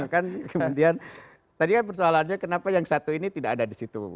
kemudian tadi kan persoalannya kenapa yang satu ini tidak ada di situ